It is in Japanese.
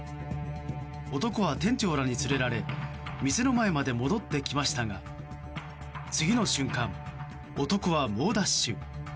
男は、店長らに連れられ店の前まで戻ってきましたが次の瞬間、男は猛ダッシュ。